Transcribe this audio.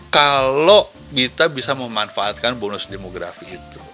kalau kita bisa memanfaatkan bonus demografi itu